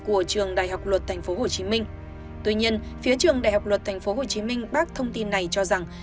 của trường đại học luật tp hcm tuy nhiên phía trường đại học luật tp hcm bác thông tin này cho rằng